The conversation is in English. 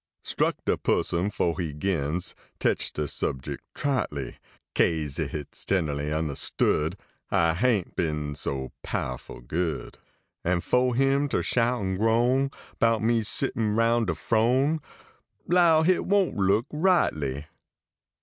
Struct de pa son fore he gins, fetch the subject tritely ; Kase hit s gen ly undahstood I hain t been so pow ful good ; And fo him ter shout an groan Bout me settin roun de frone, JvOw hit won t look rightly.